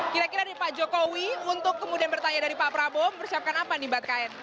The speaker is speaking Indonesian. kira kira nih pak jokowi untuk kemudian bertanya dari pak prabowo mempersiapkan apa nih mbak tkn